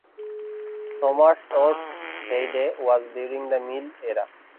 Somersworth's heyday was during the mill era.